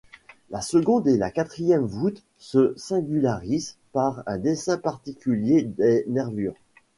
La seconde et la quatrième voûte se singularisent par un dessin particulier des nervures.